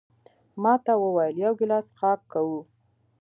ما ده ته وویل: یو ګیلاس څښاک کوو؟